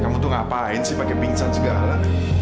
iyan kamu tuh ngapain sih pake pingsan segala